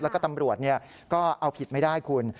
แล้วก็ตำรวจก็เอาผิดไม่ได้คุณ